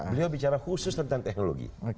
beliau bicara khusus tentang teknologi